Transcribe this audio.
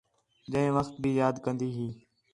جئے وخت بھی یاد کندی ہی